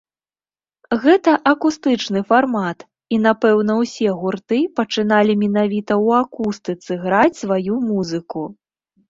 Гэта акустычны фармат, і, напэўна, усе гурты пачыналі менавіта ў акустыцы граць сваю музыку.